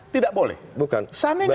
tidak boleh bukan